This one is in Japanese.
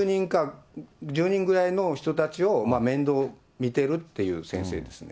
１０人ぐらいの人たちを面倒見てるっていう先生ですね。